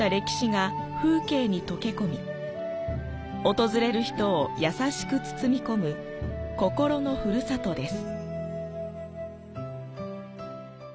訪れる人をやさしく包み込む心のふるさとです。